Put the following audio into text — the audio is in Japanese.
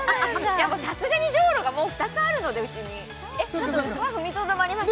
やっぱさすがにジョーロがもう２つあるのでうちにそこは踏みとどまりました